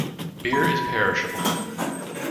Beer is perishable.